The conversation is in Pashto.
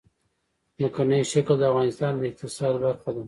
ځمکنی شکل د افغانستان د اقتصاد برخه ده.